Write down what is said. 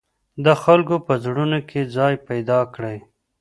د خلکو په زړونو کې ځای پیدا کړئ.